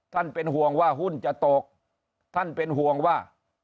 เป็นห่วงว่าหุ้นจะตกท่านเป็นห่วงว่า